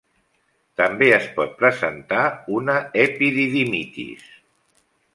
També, es pot presentar una epididimitis.